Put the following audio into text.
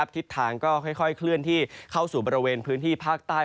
ทิศทางก็ค่อยเคลื่อนที่เข้าสู่บริเวณพื้นที่ภาคใต้